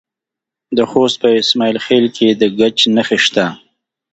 د خوست په اسماعیل خیل کې د ګچ نښې شته.